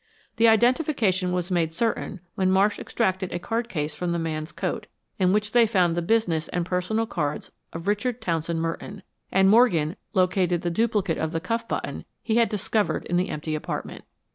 The identification was made certain when Marsh extracted a card case from the man's coat, in which they found the business and personal cards of Richard Townsend Merton, and Morgan located the duplicate of the cuff button he had discovered in the empty apartment.